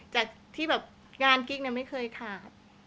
จากที่แบบงานกิ๊กไม่เคยขาด